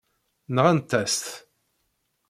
Nɣant-as-t.